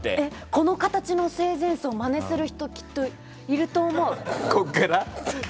この形の生前葬をまねする人きっといると思う！